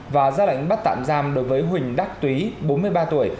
và ra lệnh bắt tạm giam đối với huỳnh đắc túy bốn mươi ba tuổi